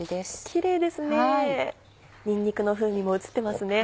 キレイですねにんにくの風味も移ってますね。